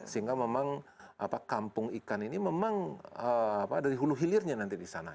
sehingga memang kampung ikan ini memang dari hulu hilirnya nanti di sana